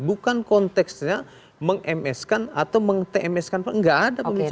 bukan konteksnya meng ms kan atau meng tms kan enggak ada pembicaraan seperti itu